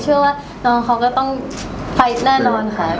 ฉันน้องเขาก็ต้องไปแน่นอนค่ะ